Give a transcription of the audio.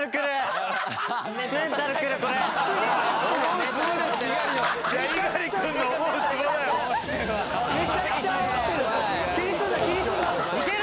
めちゃくちゃあおってる！